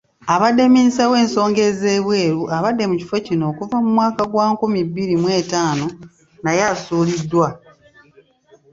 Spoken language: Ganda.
Abadde Minisita w’ensonga ezeebweru, abadde mu kifo kino okuva mu mwaka gwa nkumibbiri mu etaano naye asuuliddwa.